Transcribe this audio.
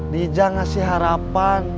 dija ngasih harapan